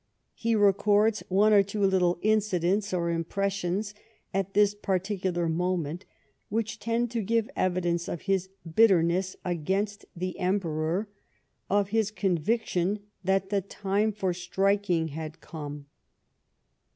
lie records T)ne or two little incidents or im pressions at this particular moment w hicli tend to give evidence of his bitterness against the Emperor, of his conviction that the time for striking had come.